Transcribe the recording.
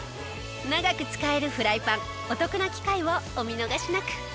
長く使えるフライパンお得な機会をお見逃しなく。